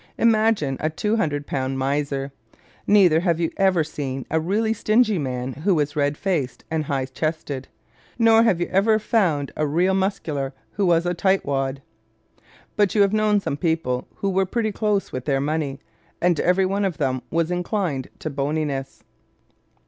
Imagine a two hundred pound miser! Neither have you ever seen a really stingy man who was red faced and high chested. Nor have you ever found a real Muscular who was a "tightwad." But you have known some people who were pretty close with their money. And every one of them was inclined to boniness.